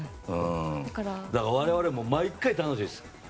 だから、我々も毎回楽しいです。